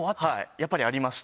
やっぱりありました。